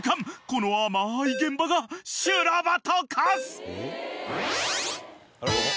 この甘い現場が修羅場と化す！］